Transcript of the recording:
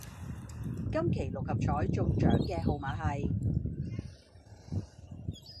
今期六合彩中獎嘅號係